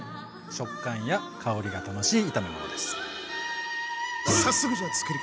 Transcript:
食感や香りが楽しい炒め物です。